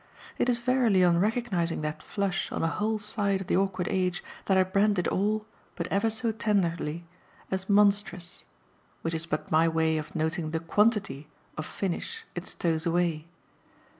It is verily on recognising that flush on a whole side of "The Awkward Age" that I brand it all, but ever so tenderly, as monstrous which is but my way of noting the QUANTITY of finish it stows away.